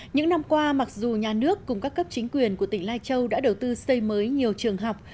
những năm qua mặc dù nhà nước cùng các cấp chính quyền của tỉnh lai châu đã đầu tư xây mới nhiều trường học